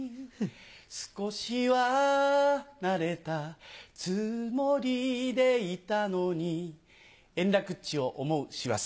少しは慣れたつもりでいたのに円楽っちを思う師走。